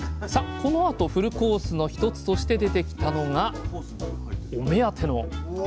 このあとフルコースの１つとして出てきたのがお目当てのお！